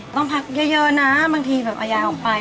ต้องพักเยอะนะบางทีแบบเอายายออกไป